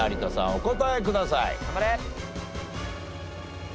お答えください。